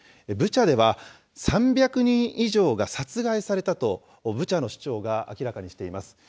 ブチャでは、３００人以上が殺害されたと、ブチャの市長が明らかにしています。